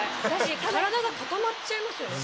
体が固まっちゃいますよね。